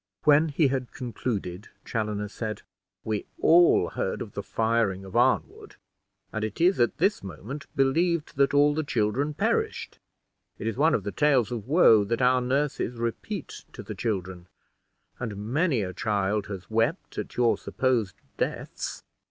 When he had concluded, Chaloner said, "We all heard of the firing of Arnwood, and it is at this moment believed that all the children perished. It is one of the tales of woe that our nurses repeat to the children, and many a child has wept at your supposed deaths.